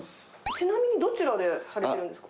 ちなみにどちらでされてるんですか？